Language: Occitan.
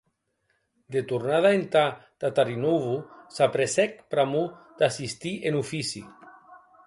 De tornada entà Tatarinovo s’apressèc pr’amor d’assistir en ofici.